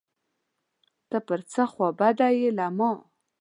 ته پر څه خوابدی یې له ما